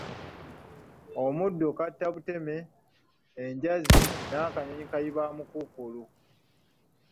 Omuddo kattabuteme, ejjanzi n'akanyonyi kayibamukuukulu.